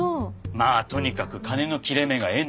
まあとにかく金の切れ目が縁の切れ目。